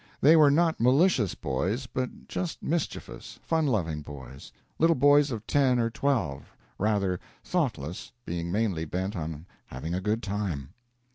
They were not malicious boys, but just mischievous, fun loving boys little boys of ten or twelve rather thoughtless, being mainly bent on having a good time.